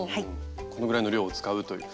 このぐらいの量を使うという。